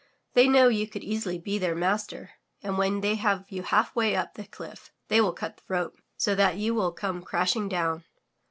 They know you could easily be their master and when they have you half way up the cliff they will cut the rope, so that you will come crashing down."